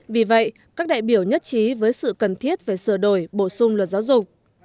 vì vậy các đại biểu nhất trí với sự cần thiết về sửa đổi bổ sung luật giáo dục